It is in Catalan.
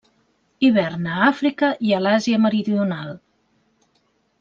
Hiverna a Àfrica i a l'Àsia meridional.